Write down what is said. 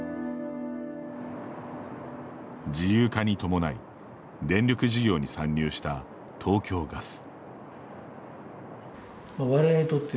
自由化に伴い電力事業に参入した東京ガス。